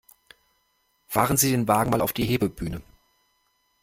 Fahren Sie den Wagen mal auf die Hebebühne!